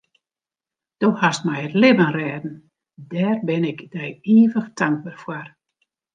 Do hast my it libben rêden, dêr bin ik dy ivich tankber foar.